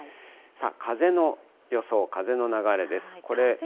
風の予想、風の流れです。